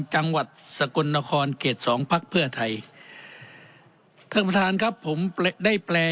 จังหวัดสกลนครเขตสองพักเพื่อไทยท่านประธานครับผมได้แปล